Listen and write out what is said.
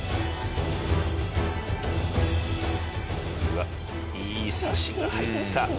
うわっいいサシが入った。